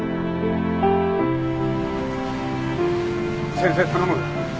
先生頼む。